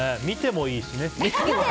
見てもいいしね。